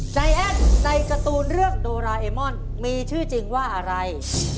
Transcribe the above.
ใจแอ้นใจการ์ตูนเรื่องโดราเอมอนมีชื่อจริงว่าอะไร